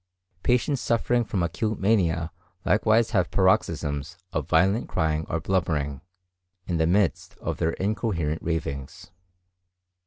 Patients suffering from acute mania likewise have paroxysms of violent crying or blubbering, in the midst of their incoherent ravings.